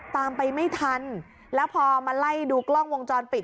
ตามไปไม่ทันแล้วพอมาไล่ดูกล้องวงจรปิด